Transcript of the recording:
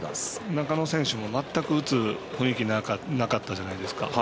中野選手も全く打つ雰囲気なかったじゃないですか。